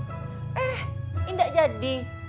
eh enggak jadi